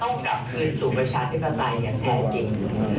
กลับคืนสู่ประชาธิปไตยอย่างแท้จริง